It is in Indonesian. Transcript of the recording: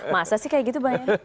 masa sih kayak gitu banyak